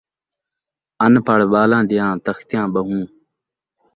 اݨ پڑھ ٻالاں دیاں تختیاں ٻہوں